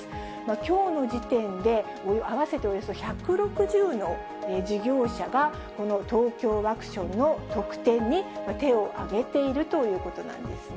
きょうの時点で、合わせておよそ１６０の事業者がこのＴＯＫＹＯワクションの特典に手を挙げているということなんですね。